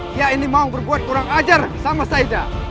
dia ini mau berbuat kurang ajar sama saida